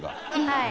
はい。